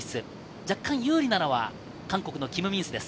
若干有利なのは韓国のキム・ミンスです。